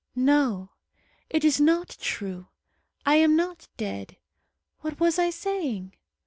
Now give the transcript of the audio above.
"No, it is not true. I am not dead. What was I saying?